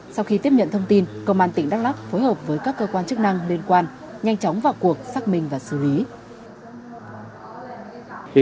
sau khi tiếp nhận thông tin công an tỉnh đắk lắk phối hợp với các cơ quan chức năng liên quan nhanh chóng vào cuộc xác minh và xử lý